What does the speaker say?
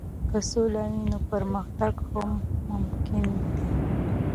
که سوله وي، نو پرمختګ هم ممکن دی.